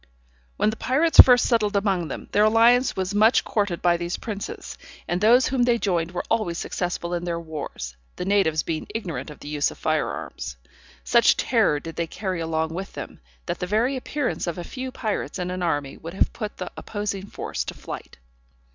When the pirates first settled among them, their alliance was much courted by these princes, and those whom they joined were always successful in their wars, the natives being ignorant of the use of fire arms. Such terror did they carry along with them, that the very appearance of a few pirates in an army would have put the opposing force to flight.